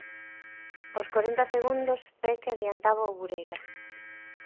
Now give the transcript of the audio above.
Aos corenta segundos Peque adiantaba o Burela.